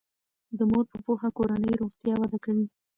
د مور په پوهه کورنی روغتیا وده کوي.